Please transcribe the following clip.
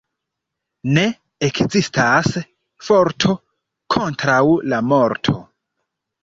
Ne ekzistas forto kontraŭ la morto.